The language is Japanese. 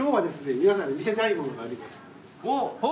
みなさんに見せたいものがあります。